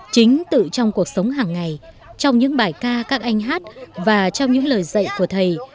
chính tự trong cuộc sống hàng ngày trong những bài ca các anh hát và trong những lời dạy của thầy